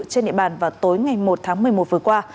trên địa bàn vào tối ngày một tháng một mươi một vừa qua